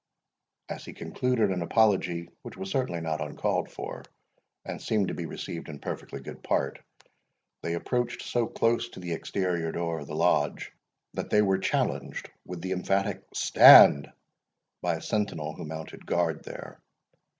As he concluded an apology, which was certainly not uncalled for, and seemed to be received in perfectly good part, they approached so close to the exterior door of the Lodge, that they were challenged with the emphatic Stand, by a sentinel who mounted guard there.